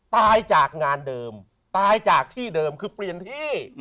ตายจากงานเดิมตายจากที่เดิมคือเปลี่ยนที่